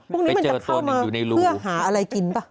พวกนี้มันจะเข้ามาเพื่อหาอะไรกินป่ะ